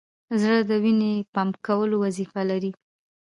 زړه د وینې پمپ کولو وظیفه لري.